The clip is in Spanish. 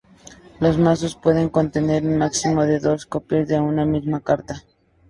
Los mazos pueden contener un máximo de dos copias de una misma carta.